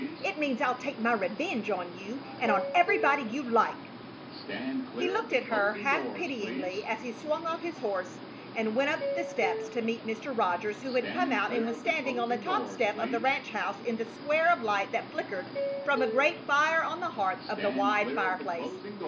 It means I'll take my revenge on you and on everybody you like." He looked at her half pityingly as he swung off his horse and went up the steps to meet Mr. Rogers, who had come out and was standing on the top step of the ranch house in the square of light that flickered from a great fire on the hearth of the wide fireplace.